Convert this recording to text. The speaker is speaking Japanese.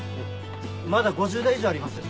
まだ５０台以上ありますよ。